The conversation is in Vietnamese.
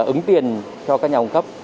ứng tiền cho các nhà ông cấp